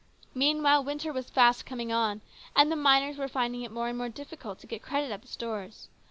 Meanwhile, winter was fast coming on, and the miners were finding it more and more difficult to get credit at the stores.